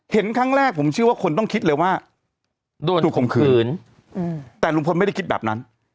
เห็นครั้งแรกผมเชื่อว่าคนต้องคิดเลยว่าโดนถูกข่มขืนแต่ลุงพลไม่ได้คิดแบบนั้น